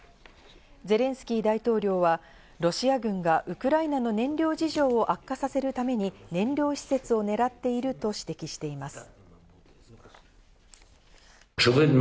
ゼレンスキー大統領はロシア軍がウクライナの燃料事情を悪化させるために燃料施設を狙っていると指摘しています。